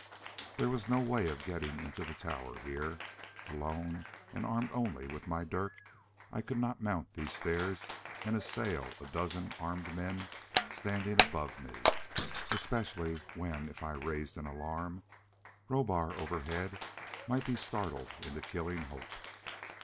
There was no way of getting up into the tower here. Alone and armed only with my dirk, I could not mount these stairs and assail a dozen armed men standing above me; especially when, if I raised an alarm, Rohbar overhead might be startled into killing Hope.